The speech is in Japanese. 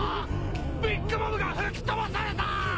ビッグ・マムが吹き飛ばされた！